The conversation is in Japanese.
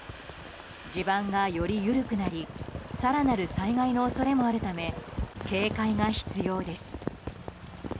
地盤がより緩くなり更なる災害の恐れもあるため警戒が必要です。